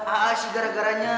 ah sih gara garanya